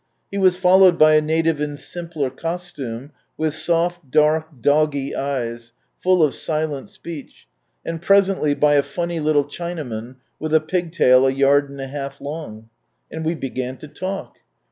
He was followed by a native in simpler costume, with soft, dark, "doggie" eyes, full of silent speech, and presently by a funny little Chinaman, with a pigtail a yard and a half long. And we began to talk.